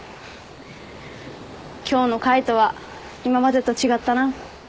今日の海斗は今までと違ったな。